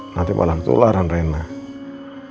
nanti malah muntah